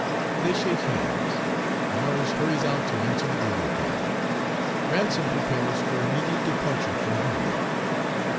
They shake hands, MARS hurries out to answer the bugle call. RANSOM prepares for immediate departure for home.)